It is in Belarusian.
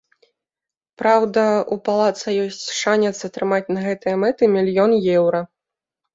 Праўда, у палаца ёсць шанец атрымаць на гэтыя мэты мільён еўра.